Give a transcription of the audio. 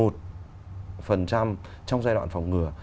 trong giai đoạn phòng ngừa